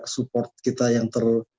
support kita yang ter